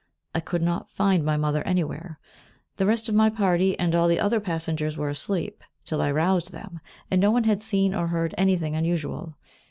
I could not find my mother anywhere. The rest of my party and all the other passengers were asleep till I roused them, and no one had seen or heard anything unusual.